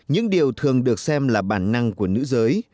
những điều thường được xem là bản năng của nữ giới